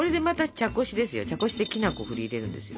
茶こしできなこを振り入れるんですよ。